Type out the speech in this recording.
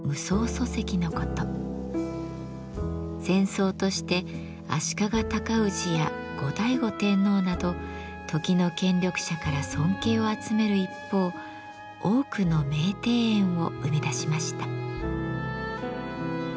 禅僧として足利尊氏や後醍醐天皇など時の権力者から尊敬を集める一方多くの名庭園を生み出しました。